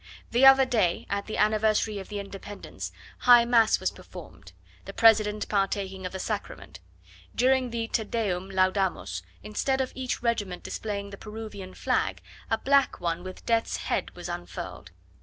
The other day, at the Anniversary of the Independence, high mass was performed, the President partaking of the sacrament: during the Te Deum laudamus, instead of each regiment displaying the Peruvian flag, a black one with death's head was unfurled.